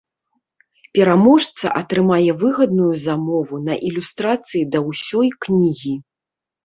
Пераможца атрымае выгадную замову на ілюстрацыі да ўсёй кнігі.